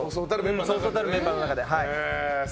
そうそうたるメンバーの中ですからね。